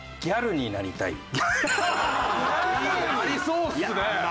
「ギャルになりたい」。